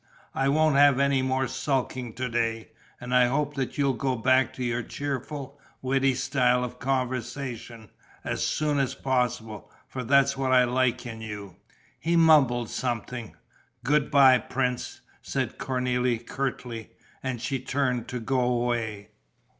I won't have any more sulking to day; and I hope that you'll go back to your cheerful, witty style of conversation as soon as possible, for that's what I like in you." He mumbled something. "Good bye, prince," said Cornélie, curtly. And she turned to go away.